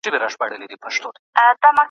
هغه د خپلو کالیو په پاک ساتلو اخته دی.